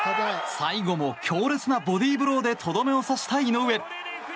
最後も強烈なボディーブローでとどめを刺した井上。